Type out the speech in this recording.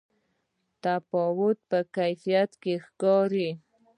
تفاوت په کیفیت کې ښکاري.